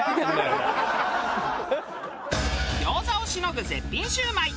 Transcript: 餃子をしのぐ絶品シュウマイ。